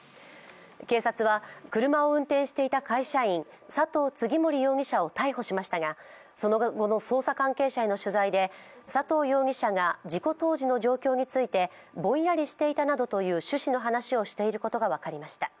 警察は、車を運転していた会社員・佐藤次守容疑者を逮捕しましたがその後の捜査関係者への取材で佐藤容疑者が事故当時の状況についてぼんやりしていたなどという趣旨の話をしていることが分かりました。